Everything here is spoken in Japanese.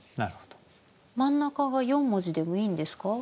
真ん中が４文字でもいいんですか？